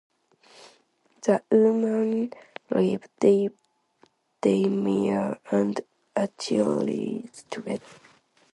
The women leave Deidamia and Achilles together.